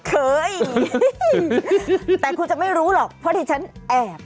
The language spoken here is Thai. เคยแต่คุณจะไม่รู้หรอกเพราะดิฉันแอบ